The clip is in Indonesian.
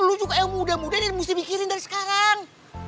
lu juga yang muda muda dan mesti mikirin dari sekarang